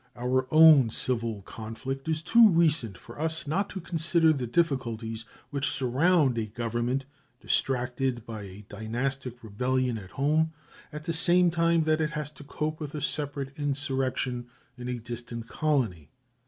Our own civil conflict is too recent for us not to consider the difficulties which surround a government distracted by a dynastic rebellion at home at the same time that it has to cope with a separate insurrection in a distant colony.